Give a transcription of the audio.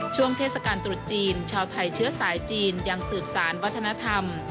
ช่วงเทศกาลตรุษจีนชาวไทยเชื้อสายจีนยังสืบสารวัฒนธรรม